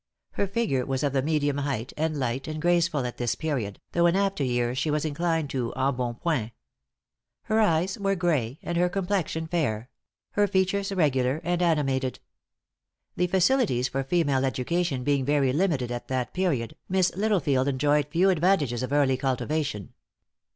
Her figure was of the medium height, and light and graceful at this period, though in after years she was inclined to embonpoint. Her eyes were gray, and her complexion fair; her features regular and animated. The facilities for female education being very limited at that period, Miss Littlefield enjoyed few advantages of early cultivation.